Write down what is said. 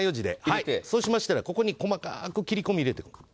そうしましたらここに細かく切れ込みを入れていただく。